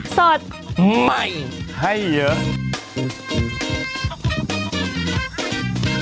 โปรดติดตามตอนต่อไป